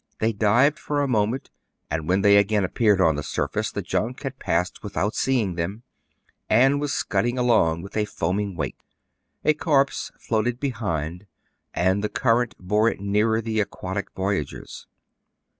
They dived for a moment ; and, when they again appeared on the surface, the junk had passed without seeing them, and was scudding along with a foaming wake. A corpse floated behind, and the current bore it nearer the aquatic voyagers.